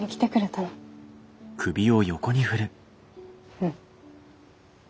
うん。